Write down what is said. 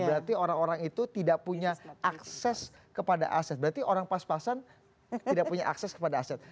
berarti orang orang itu tidak punya akses kepada aset berarti orang pas pasan tidak punya akses kepada aset